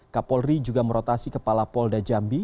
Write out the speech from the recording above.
kapolri juga merotasi kepala polda jambi